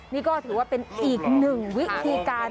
นี่ก็ถือว่าเป็นอีกหนึ่งวิธีการ